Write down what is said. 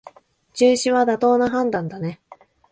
中止は妥当な判断だね